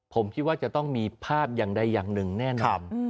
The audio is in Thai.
ผมคิดว่าจะต้องมีภาพอย่างใดอย่างหนึ่งแน่นอน